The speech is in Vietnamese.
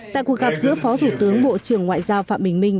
tại cuộc gặp giữa phó thủ tướng bộ trưởng ngoại giao phạm bình minh